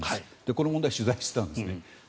この問題を取材していたんです。